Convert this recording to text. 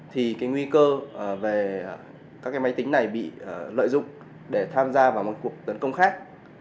thì cái nguy cơ về các cái máy tính này bị lợi dụng để tham gia vào một cuộc tấn công khác